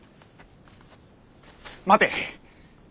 待て。